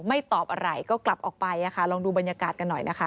ตอบอะไรก็กลับออกไปลองดูบรรยากาศกันหน่อยนะคะ